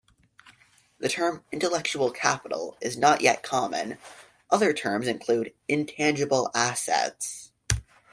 The term "intellectual capital" is not yet common; other terms include "intangible assets".